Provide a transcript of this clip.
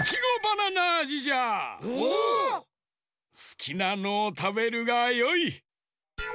すきなのをたべるがよい。